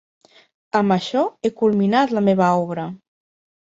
Amb això he culminat la meva obra.